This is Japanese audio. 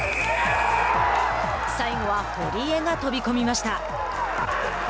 最後は堀江が飛び込みました。